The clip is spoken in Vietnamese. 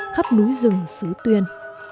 khắp núi rừng sứ tuyên